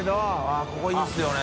あっここいいですよね。